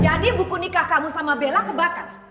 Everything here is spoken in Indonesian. jadi buku nikah kamu sama bella kebakar